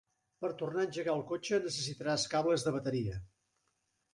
Per tornar a engegar el cotxe necessitaràs cables de bateria.